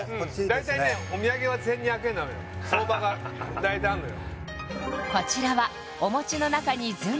大体ねお土産は１２００円なのよ相場が大体あんのよ